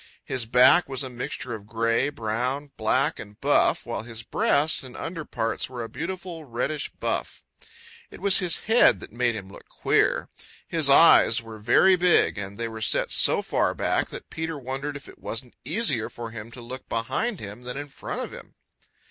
His back was a mixture of gray, brown, black and buff, while his breast and under parts were a beautiful reddish buff. It was his head that made him look queer. His eyes were very big and they were set so far back that Peter wondered if it wasn't easier for him to look behind him than in front of him.